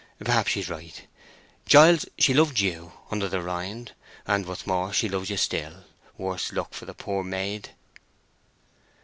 Perhaps she's right. Giles, she loved you—under the rind; and, what's more, she loves ye still—worse luck for the poor maid!"